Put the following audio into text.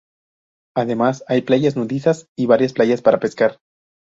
Además hay playas nudistas y varias playas para pescar.